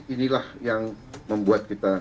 inilah yang membuat kita